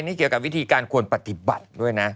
นี่เกี่ยวกับวิธีการควรปฏิบัติด้วยนะ